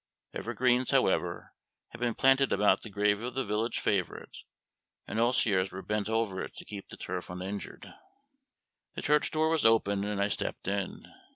Evergreens, however, had been planted about the grave of the village favorite, and osiers were bent over it to keep the turf uninjured. The church door was open and I stepped in.